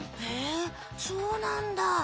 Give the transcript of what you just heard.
へえそうなんだ！